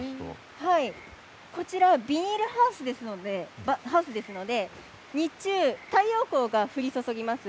こちらビニールハウスですので日中、太陽光が降り注ぎます。